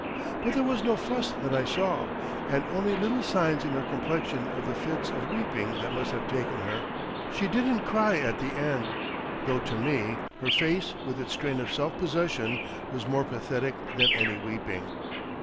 But there was no fuss that I saw, and only little signs in her complexion of the fits of weeping that must have taken her. She didn't cry at the end, though to me her face with its strain of self possession was more pathetic than any weeping.